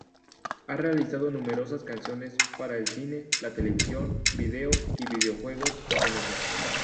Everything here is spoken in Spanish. Ha realizado numerosas canciones para el cine, la televisión, vídeo y videojuegos japoneses.